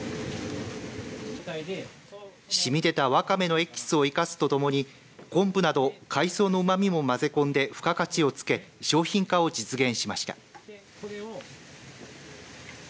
しみ出たわかめのエキスを生かすとともに昆布など海藻のうまみも混ぜ込んで付加価値を付け商品化を実現しました。